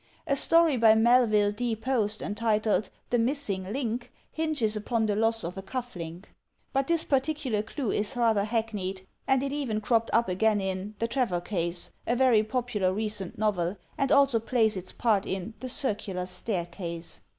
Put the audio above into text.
A story by Melville D. Post, entitled "The Missing Link," hinges upon the loss of a cuff link. But this particular clue is rather hackneyed, and it even cropped up again in "The Trevor Case," a very popular recent novel; and also plays its part in "The Circular Staircase."